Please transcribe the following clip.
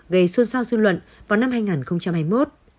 gây xuân sao dư luận vào năm hai nghìn hai mươi một